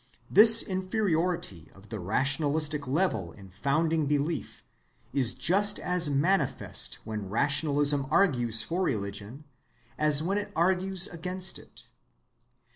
This inferiority of the rationalistic level in founding belief is just as manifest when rationalism argues for religion as when it argues against it.